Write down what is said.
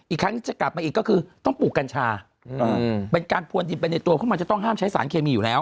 อีกครั้งจะกลับมาอีกก็คือต้องปลูกกัญชาเป็นการพวนดินไปในตัวของมันจะต้องห้ามใช้สารเคมีอยู่แล้ว